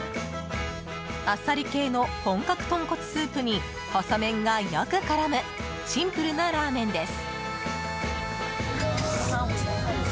あっさり系の本格豚骨スープに細麺がよく絡むシンプルなラーメンです。